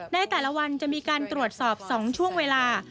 ในแต่ละวันจะมีการตรวจสอบ๒ช่วงเวลา